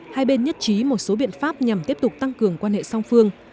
hai bên nhất trí một số biện pháp nhằm tiếp tục tăng cường quan hệ song phương